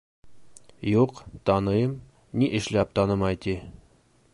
- Юҡ, таныйым, ни эшләп танымай ти?